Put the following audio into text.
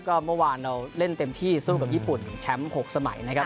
ก็เมื่อวานเราเล่นเต็มที่สู้กับญี่ปุ่นแชมป์๖สมัยนะครับ